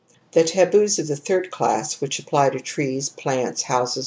THig taboos o f the tibird class, which apply to trees^ plants^ housgs.